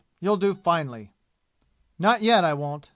You'll do finely." "Not yet, I won't!"